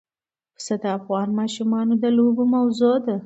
پسه د افغان ماشومانو د لوبو موضوع ده.